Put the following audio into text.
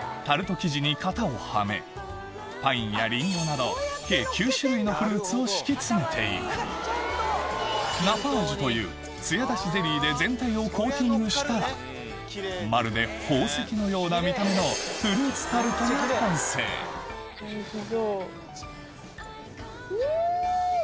生地に型をはめパインやリンゴなど計を敷き詰めて行くナパージュというつや出しゼリーで全体をコーティングしたらまるで宝石のような見た目のが完成うん！